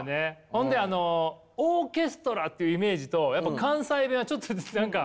ほんでオーケストラっていうイメージとやっぱ関西弁はちょっと何か。